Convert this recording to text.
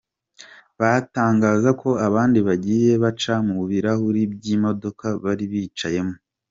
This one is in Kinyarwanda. Batangaza ko abandi bagiye baca mu birahuri by’imodoka bari bicayemo.